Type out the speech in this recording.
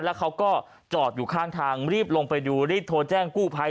แล้วเขาก็จอดอยู่ข้างทางรีบลงไปดูรีบโทรแจ้งกู้ภัย